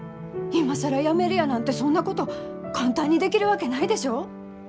今更辞めるやなんてそんなこと簡単にできるわけないでしょう？